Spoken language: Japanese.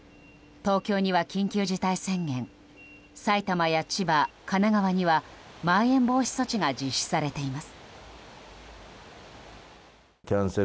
東京には緊急事態宣言埼玉や千葉、神奈川にはまん延防止措置が実施されています。